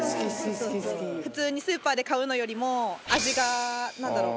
普通にスーパーで買うのよりも味がなんだろう